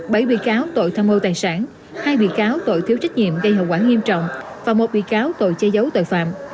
bảy bị cáo tội tham mô tài sản hai bị cáo tội thiếu trách nhiệm gây hậu quả nghiêm trọng và một bị cáo tội chê giấu tội phạm